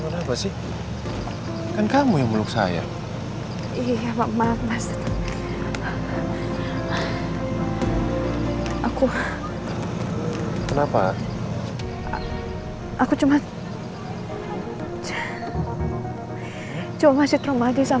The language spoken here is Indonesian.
tapi janganlah kau kemana mana